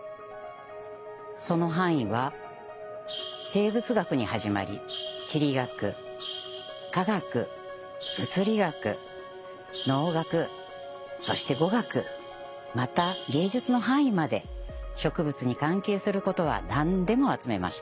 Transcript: その範囲は生物学に始まり地理学化学物理学農学そして語学また芸術の範囲まで植物に関係することは何でも集めました。